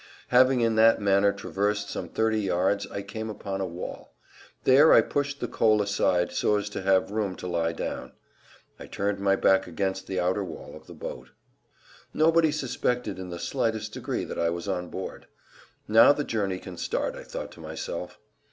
Having in that manner traversed some thirty yards I came upon a wall. There I pushed the coal aside so as to have room to lie down. I turned my back against the outer wall of the boat. Nobody suspected in the slightest degree that I was on board. Now the journey can start, I thought to myself.